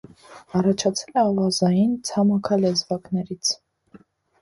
Առաջացել է ավազային ցամաքալեզվակներից։